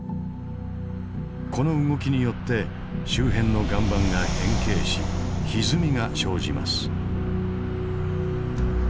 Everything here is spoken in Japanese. この動きによって周辺の岩盤が変形しひずみが生じます。